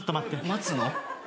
待つの？